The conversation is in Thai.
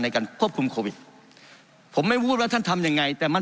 ในการควบคุมโควิดผมไม่พูดว่าท่านทำยังไงแต่มัน